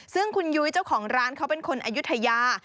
ซึ่งคุณยุ้ยเจ้าของร้านเขาเป็นคนอายุทยา